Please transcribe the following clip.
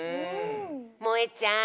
もえちゃん。